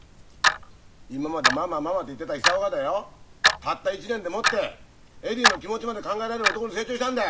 今まで「ママママ」って言ってた久男がだよたった１年でもってエディの気持ちまで考えられる男に成長したんだ！